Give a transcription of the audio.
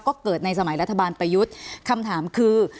ก็เกิดในสมัยรัฐบาลประยุทธ์คำถามคือ